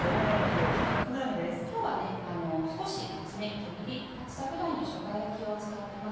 今日は少し厚め５ｍｍ厚さぐらいのしょうが焼き用を使ってます。